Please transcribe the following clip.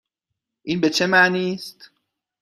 این به چه معنی است؟